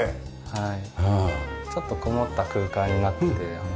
はい。